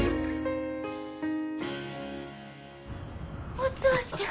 お父ちゃん。